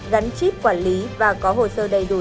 gắn chip quản lý và có hồ sơ đầy đủ